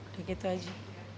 udah gitu aja